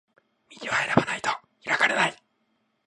道は選ばないと開かれない